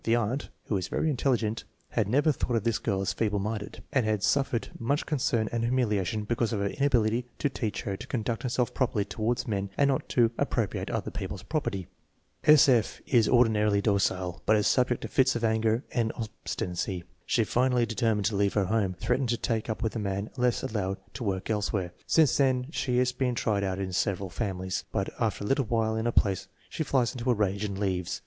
The aunt, who is very intelligent, had never thought of this girl as feeble minded, and had suffered much concern and humiliation because of her inability to teach her to conduct herself properly toward men and not to appropriate other people's property. S. F. Is ordinarily docile, but is subject to fits of anger and ob stinacy. She finally determined to leave her home, threatening to take up with a man unless allowed to work elsewhere. Since then she lias been tried out in several families, but after a little while in INTELLIGENCE QUOTIENT SIGNIFICANCE 89 a place she flies into a rage and leaves.